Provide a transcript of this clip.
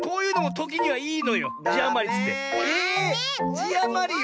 じあまりよ！